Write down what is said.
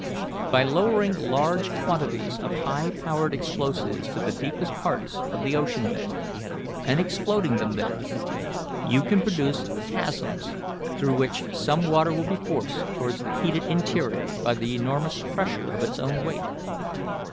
By lowering large quantities of high powered explosives to the deepest parts of the ocean bed, and exploding them there, you can produce chasms through which some water will be forced towards the heated interior by the enormous pressure of its own weight.